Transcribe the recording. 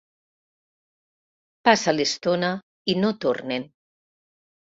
Passa l'estona i no tornen.